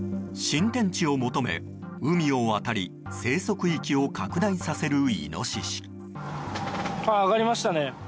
新天地を求め、海を渡り生息域を拡大させるイノシシ。